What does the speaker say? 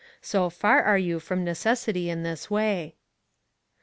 So far are you from necessity in this way."